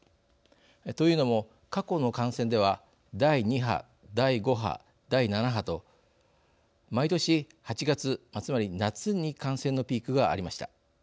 というのも、過去の感染では第２波、第５波、第７波と毎年８月つまり夏に感染のピークがありました。